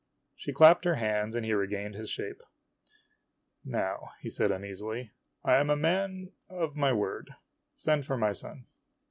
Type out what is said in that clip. She clapped her hands, and he regained his shape. " Now," said he uneasily, " I am a man of my word. Send for my son."